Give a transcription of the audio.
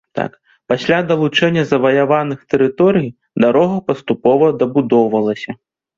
Пасля далучэння заваяваных тэрыторый, дарога паступова дабудоўвалася.